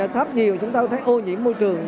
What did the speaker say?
thắp nhiều chúng ta thấy ô nhiễm môi trường